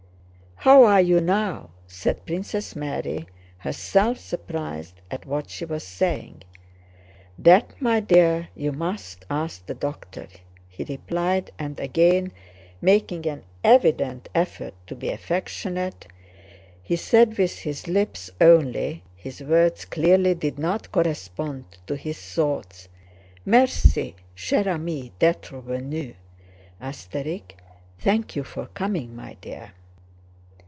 "How are you now?" said Princess Mary, herself surprised at what she was saying. "That, my dear, you must ask the doctor," he replied, and again making an evident effort to be affectionate, he said with his lips only (his words clearly did not correspond to his thoughts): "Merci, chère amie, d'être venue." "Thank you for coming, my dear."